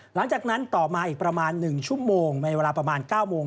หลังจากนั้นต่อมาอีกประมาณ๑ชั่วโมงในเวลาประมาณ๙โมง